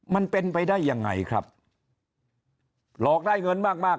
มันเป็นไปได้ยังไงครับหลอกได้เงินมากมาก